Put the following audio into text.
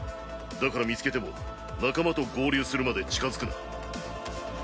だから見つけても仲間と合流するまで近づくな。